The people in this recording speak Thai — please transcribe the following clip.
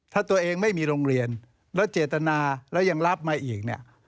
ถ้าตัวเองไม่มีโรงเรียนแล้วเจตนาแล้วยังรับมาอีกเนี่ย